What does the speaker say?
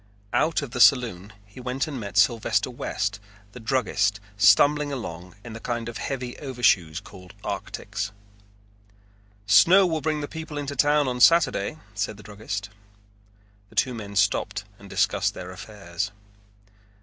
Out of the saloon he went and met Sylvester West the druggist stumbling along in the kind of heavy overshoes called arctics. "Snow will bring the people into town on Saturday," said the druggist. The two men stopped and discussed their affairs.